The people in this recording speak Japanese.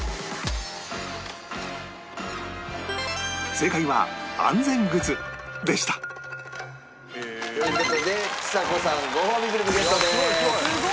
正解は安全靴でしたという事でちさ子さんごほうびグルメゲットです。